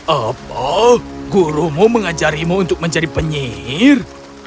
apa gurumu mengajarimu untuk menjadi penyihir